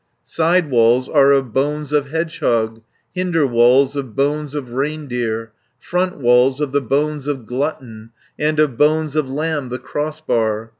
"Side walls are of bones of hedgehog, Hinder walls of bones of reindeer, 160 Front walls of the bones of glutton, And of bones of lamb the crossbar.